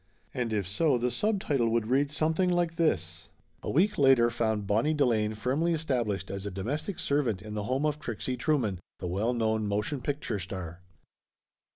And if so, the subtitle would read something like this : A week later found Bonnie Delane firmly established as a domestic servant in the home of Trixie Trueman, the well known motion picture star.